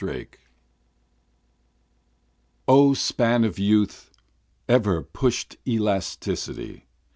45 O span of youth! ever push'd elasticity!